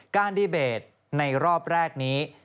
ดีเบตในรอบแรกนี้